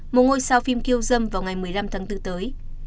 một ngôi sao phim khiêu dâm vào ngày một mươi năm tháng bốn tới